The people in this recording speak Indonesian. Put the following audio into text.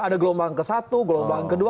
ada gelombang ke satu gelombang ke dua